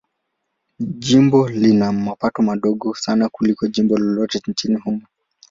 Jimbo lina mapato madogo sana kuliko jimbo lolote nchini humo.